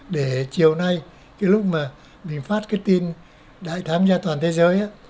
để chiều nay cái lúc mà mình phát cái tin đại thám gia toàn thế giới